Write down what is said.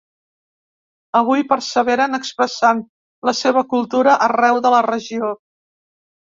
Avui perseveren expressant la seva cultura arreu de la regió.